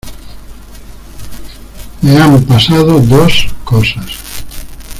me han pasado dos cosas